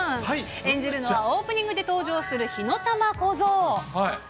演じるのはオープニングで登場する、ひのたまこぞう。